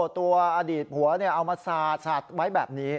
ตัวอดีตผัวเอามาสาดไว้แบบนี้